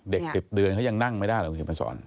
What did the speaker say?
เด็ก๑๐เดือนเคยังนั่งไม่ได้เหล่านี่มะสอน